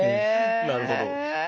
なるほど。